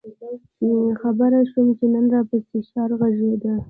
خبـــــر شومه چې نن راپســـې ښار غـــــږېده؟